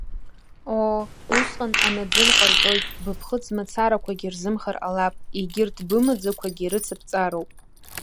Оо, усҟан анаӡын ҟарҵоит, быԥхыӡ мацарақәагьы рзымхар ҟалап, егьырҭ бымаӡақәагьы рыцыбҵароуп.